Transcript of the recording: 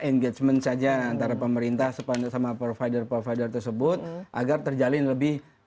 engagement saja antara pemerintah sama provider provider tersebut agar terjalin lebih